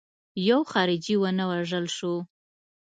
یو خارجي ونه وژل شو.